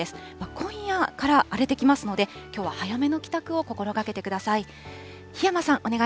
今夜から荒れてきますので、きょうは早めの帰宅を心がけてください。